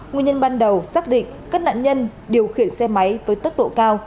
nguyên nhân ban đầu xác định các nạn nhân điều khiển xe máy với tốc độ cao